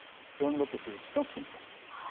４六歩打と金取り。